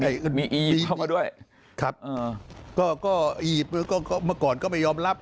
อียิปต์เมื่อก่อนก็ไม่ยอมรับ